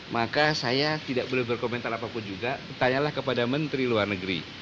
maka saya tidak boleh berkomentar apapun juga tanyalah kepada menteri luar negeri